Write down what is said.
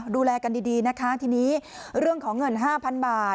ดูแลกันดีนะคะทีนี้เรื่องของเงิน๕๐๐๐บาท